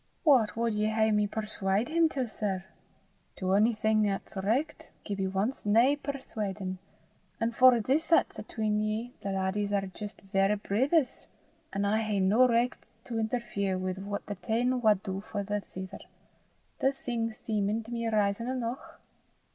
"What wad ye hae me perswaud him till, sir? To onything 'at's richt, Gibbie wants nae perswaudin'; an' for this 'at's atween ye, the laddies are jist verra brithers, an' I hae no richt to interfere wi' what the tane wad for the tither, the thing seemin' to me rizon eneuch."